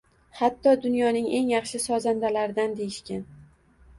hatto dunyoning eng yaxshi sozandalaridan deyishgan.